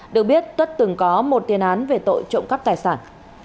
được biết tất từng có một tiền án về tội trộm cắp tài sản